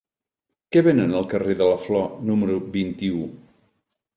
Què venen al carrer de la Flor número vint-i-u?